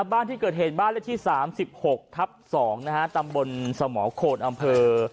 บ้านที่เกิดเหตุบ้านเลขที่สามสิบหกทับสองนะฮะตำบลสมองโคนอำเภอ